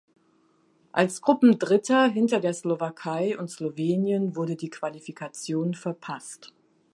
Als Gruppendritter hinter der Slowakei und Slowenien wurde die Qualifikation verpasst.